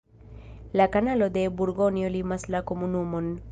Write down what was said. La kanalo de Burgonjo limas la komunumon.